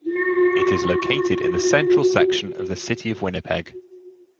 It is located in the central section of the City of Winnipeg.